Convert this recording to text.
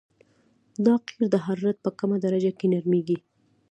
دا قیر د حرارت په کمه درجه کې نرمیږي